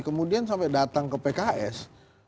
kemudian sampai datang ke pks